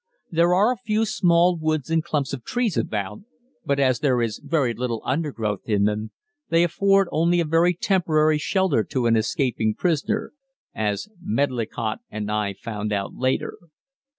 There are a few small woods and clumps of trees about, but as there is very little undergrowth in them, they afford only a very temporary shelter to an escaping prisoner as Medlicott and I found out later.